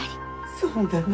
そうだな。